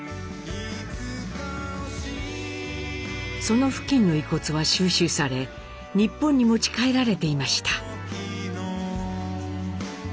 その付近の遺骨は収集され日本に持ち帰られていました。